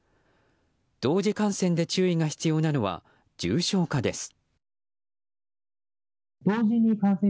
同時感染で注意が必要なのは重症化です。